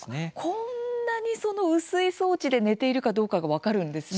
こんなに薄い装置で寝ているかどうかが分かるんですね。